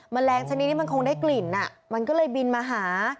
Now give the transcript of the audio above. แมลงชนิดนี้มันคงได้กลิ่นมันก็เลยบินมาหา